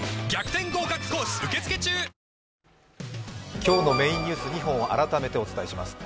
今日のメインニュース２本を改めてお伝えします。